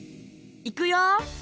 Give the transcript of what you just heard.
いくよ！